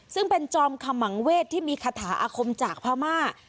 ซึ่งเป็นจอมขมังเวทที่มีคาถาอาคมจากพม่า